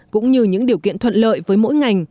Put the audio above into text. cũng như những điều kiện thuận lợi với mỗi ngành